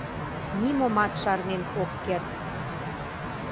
Нимомат шарнен ок керт...